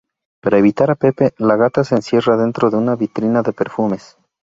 Para evitar a Pepe, la gata se encierra dentro de una vitrina de perfumes.